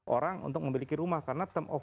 orang untuk memiliki rumah karena term of